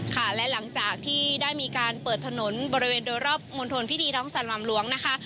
ค่ะและหลังจากที่ได้มีการเปิดถนนบริเวณโดยรอบมณฑลพิธีท้องสนามหลวงนะคะ